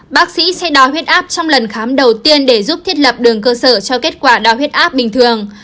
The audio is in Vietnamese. bác sĩ sẽ đo huyết áp trong lần khám đầu tiên để giúp thiết lập đường cơ sở cho kết quả đo huyết áp bình thường